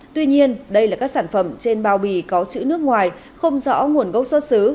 tuy nhiên đây là các sản phẩm trên bao bì có chữ nước ngoài không rõ nguồn gốc xuất xứ